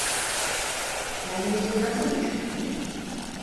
Kendinizi nasıl üşüttünüz?